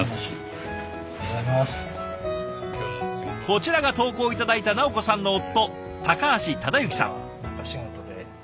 こちらが投稿頂いた尚子さんの夫高橋忠幸さん。